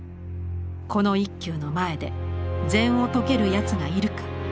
「この一休の前で禅を説けるやつがいるか。